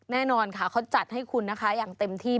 แน่นอนค่ะเขาจัดให้คุณนะคะอย่างเต็มที่